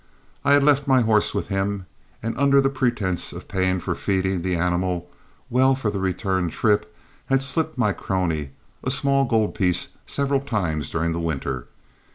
I had left my horse with him, and under the pretense of paying for feeding the animal well for the return trip, had slipped my crony a small gold piece several times during the winter.